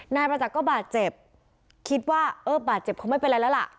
นายประจักษ์ก็บาดเจ็บคิดว่าเออบาดเจ็บคงไม่เป็นไรแล้วล่ะ